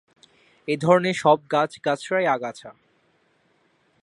এ ধরনের সব গাছগাছড়াই ‘আগাছা’।